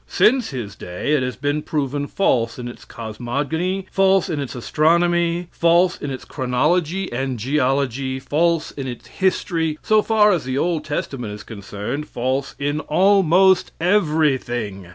Since his day it has been proven false in its cosmogony, false in its astronomy, false in its chronology and geology, false in its history, so far as the Old Testament is concerned, false in almost everything.